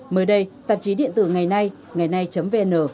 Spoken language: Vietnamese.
mới đây tạp chí điện tử ngày nay ngày nay vn